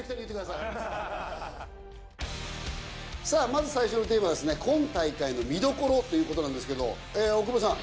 まず最初のテーマは今大会の見どころということなんですけど大久保さん